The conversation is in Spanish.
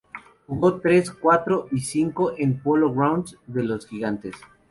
Juego tres, cuatro y cinco, en el Polo Grounds de los Gigantes.